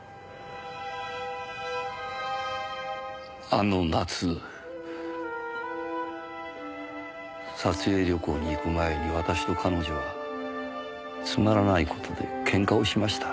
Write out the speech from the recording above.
あの夏撮影旅行に行く前に私と彼女はつまらない事でケンカをしました。